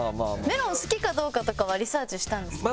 メロン好きかどうかとかはリサーチしたんですか？